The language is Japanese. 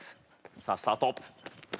さあスタート。